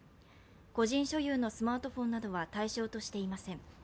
個人所有のスマートフォンなどは対象としていません。